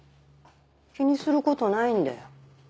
気にすることないんだよ。